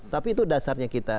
tapi itu dasarnya kita